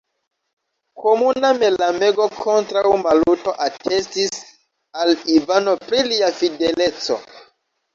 Komuna malamego kontraŭ Maluto atestis al Ivano pri lia fideleco.